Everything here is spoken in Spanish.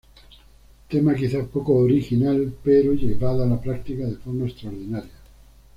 Tema quizá poco original, pero llevado a la práctica de forma extraordinaria.